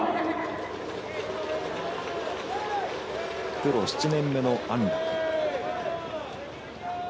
プロ７年目の安樂。